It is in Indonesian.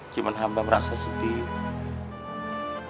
cuman hamba merasa sedih